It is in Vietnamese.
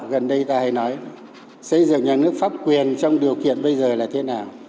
gần đây ta hay nói xây dựng nhà nước pháp quyền trong điều kiện bây giờ là thế nào